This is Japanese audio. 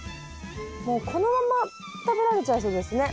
もうこのまま食べられちゃいそうですね